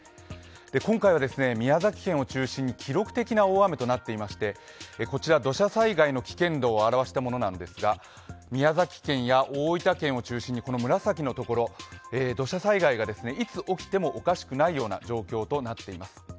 今回は宮崎県を中心に記録的な大雨となっていまして、こちら土砂災害の危険度を表したものなんですが宮崎県や大分県を中心にこの紫のところ、土砂災害がいつ起きてもおかしくないような状況となっています。